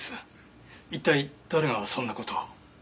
一体誰がそんな事を？